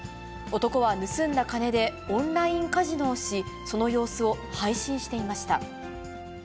男は盗んだ金でオンラインカジノをし、その様子を配信していました。